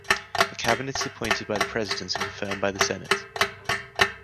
The cabinet is appointed by the president and confirmed by the Senate.